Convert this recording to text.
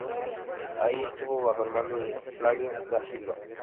Ahí estuvo bajo el mando de Flavio Da Silva.